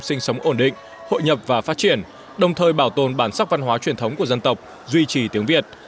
sinh sống ổn định hội nhập và phát triển đồng thời bảo tồn bản sắc văn hóa truyền thống của dân tộc duy trì tiếng việt